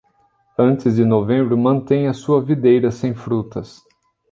Antes de novembro, mantenha sua videira sem frutas.